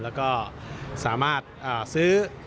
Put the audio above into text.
แล้วก็สามารถซื้อ